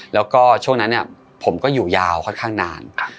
แล้วก็ช่วงนั้นผมก็อยู่ยาวค่อนข้างนาน